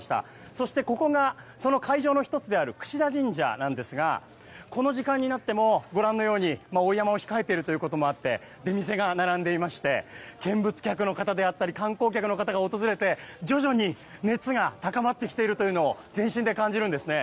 そして、ここがその会場の１つである櫛田神社なんですがこの時間になっても、追い山笠を控えているということもあって出店が並んでいまして見物客の方であったり観光客の方が訪れて徐々に熱が高まってきているのを全身で感じるんですね。